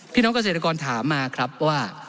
พี่น้องเกษตรกรถามมาครับว่า